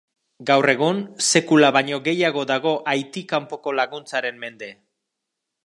Gaur egun, sekula baino gehiago dago Haiti kanpoko laguntzaren mende.